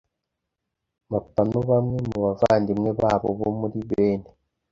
mapanu bamwe mu bavandimwe babo bo muri bene